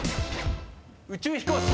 宇宙飛行士。